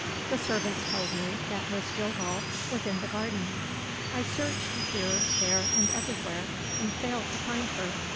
The servants told me that Miss Jillgall was in the garden. I searched here, there, and everywhere, and failed to find her.